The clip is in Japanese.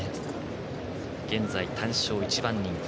現在、単勝１番人気。